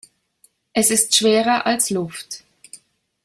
Es ist schwerer als Luft.